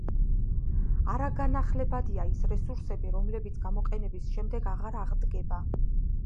არაგანახლებადია ის რესურსები რომლებიც გამოყენების შემდეგ აღარ აღდგება